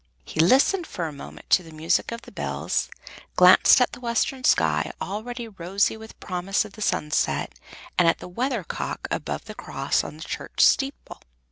He listened for a moment to the music of the bells, glanced at the western sky, already rosy with promise of the sunset, and at the weather cock above the cross on the church steeple.